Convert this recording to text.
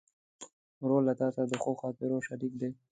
ورور له تا سره د ښو خاطرو شریک دی.